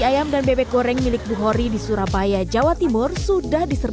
ayam dan bebek goreng milik buhori di surabaya jawa timur sudah disertai